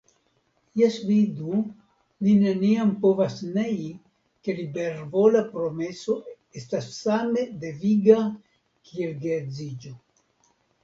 Jes vidu, ni neniam povas nei ke libervola promeso estas same deviga kiel geedziĝo.